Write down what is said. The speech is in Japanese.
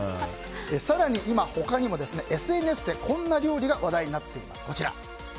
更に今、他にもＳＮＳでこんな料理が話題になっています。